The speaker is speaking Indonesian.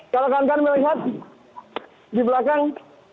kalau kalian melihat di belakang